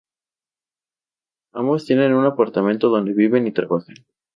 Ambos tienen un apartamento donde viven y trabajan.